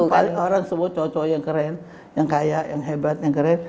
paling orang semua cowok cowok yang keren yang kaya yang hebat yang keren